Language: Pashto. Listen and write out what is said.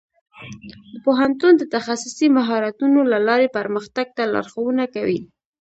پوهنتون د تخصصي مهارتونو له لارې پرمختګ ته لارښوونه کوي.